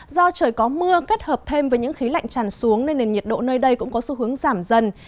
do trời có mưa kết hợp thêm với những khí lạnh tràn xuống nên nền nhiệt độ nơi đây cũng có xu hướng giảm dần